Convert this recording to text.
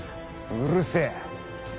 うるせぇ。